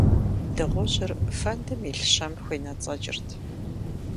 Дыгъужьыр фэндым илъ щэм хуенэцӀэкӀырт.